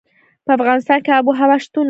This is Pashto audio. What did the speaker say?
په افغانستان کې آب وهوا شتون لري.